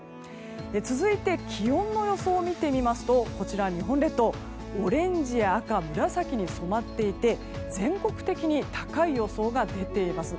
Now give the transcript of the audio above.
続いて気温の予想を見てみますと日本列島はオレンジや赤、紫に染まっていて全国的に高い予想が出ています。